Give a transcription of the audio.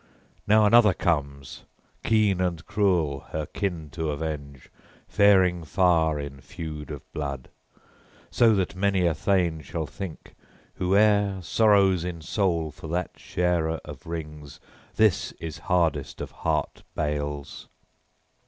Now another comes, keen and cruel, her kin to avenge, faring far in feud of blood: so that many a thane shall think, who e'er sorrows in soul for that sharer of rings, this is hardest of heart bales.